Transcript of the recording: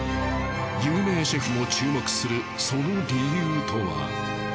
有名シェフも注目するその理由とは。